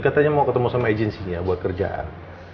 katanya mau ketemu sama agensinya buat kerjaan